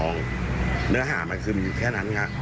เนื้อหามันคือมีแค่นั้นค่ะ